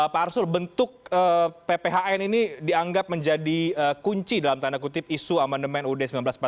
pak arsul bentuk pphn ini dianggap menjadi kunci dalam tanda kutip isu amandemen ud seribu sembilan ratus empat puluh lima